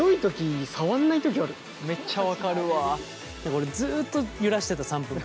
俺ずっと揺らしてた３分間。